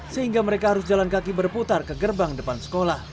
sehingga mereka harus jalan kaki berputar ke gerbang depan sekolah